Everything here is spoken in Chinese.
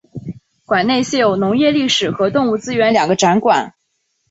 馆内现有农业历史和动物资源两个展馆。